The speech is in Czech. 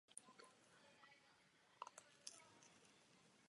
Plenárnímu zasedání je poté předložena vyváženější, jediná zpráva.